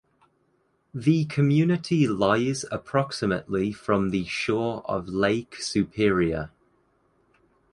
The community lies approximately from the shore of Lake Superior.